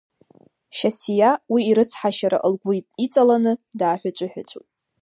Шьасиа уи ирыцҳашьара лгәы иҵаланы дааҳәыҵәыҳәыҵәуеит.